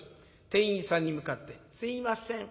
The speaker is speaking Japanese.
店員さんに向かって「すいません。